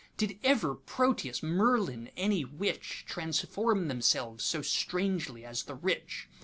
Did ever Proteus, Merlin, any witch, Transform themselves so strangely as the Rich?